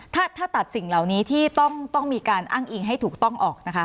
ถ้าตัดสิ่งเหล่านี้ที่ต้องมีการอ้างอิงให้ถูกต้องออกนะคะ